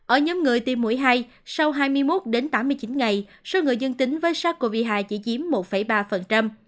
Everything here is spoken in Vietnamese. ở nhóm người tiêm mũi hai sau hai mươi một đến tám mươi chín ngày số người dương tính với sars cov hai chỉ chiếm một ba